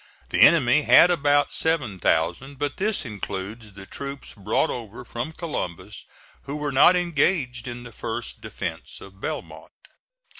The enemy had about 7,000; but this includes the troops brought over from Columbus who were not engaged in the first defence of Belmont.